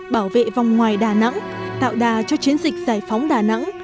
bảo vệ vòng ngoài đà nẵng tạo đà cho chiến dịch giải phóng đà nẵng